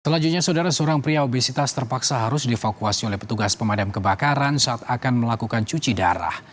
selanjutnya saudara seorang pria obesitas terpaksa harus dievakuasi oleh petugas pemadam kebakaran saat akan melakukan cuci darah